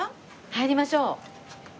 入りましょう。